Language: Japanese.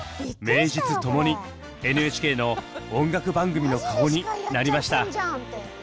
名実ともにＮＨＫの音楽番組の顔になりました！